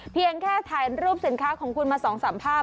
เพียงแค่ถ่ายรูปสินค้าของคุณมา๒๓ภาพ